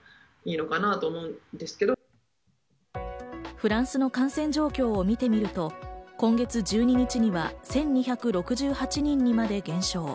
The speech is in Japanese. フランスの感染状況を見てみると今月１２日には１２６８人にまで減少。